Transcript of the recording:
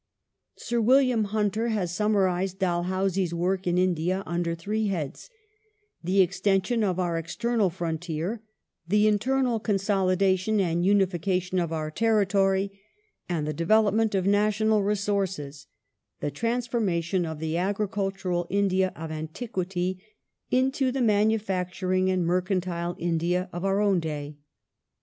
Sir William Hunter has summarized Dalhousie's work in India under three heads : the extension of our external frontier ; the ' internal consolidation and unification of our tenitory, and the development of national resources — the transformation of " the agricultural India of antiquity into the manufacturing and mer cantile India of our own day